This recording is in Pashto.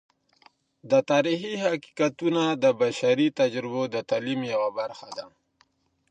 د تاریخی حقیقتونه د بشري تجربو د تعلیم یوه برخه ده.